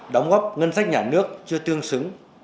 đóng góp ngân sách nhà nước chưa tương xứng